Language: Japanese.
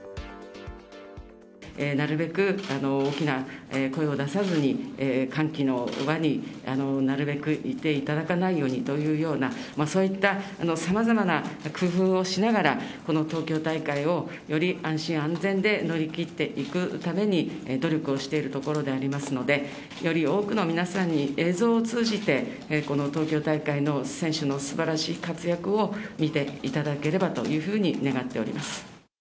なるべく大きな声を出さずに、歓喜の輪になるべくいていただかないようにというようなそういういったさまざまな工夫をしながら、この東京大会をより安心安全で乗り切っていくために、努力をしているところでありますので、より多くの皆さんに、映像を通じて、この東京大会の選手のすばらしい活躍を見ていただければというふうに願っております。